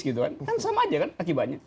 kan sama aja kan akibatnya